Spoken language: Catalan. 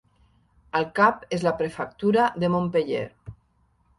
El cap és la prefectura de Montpeller.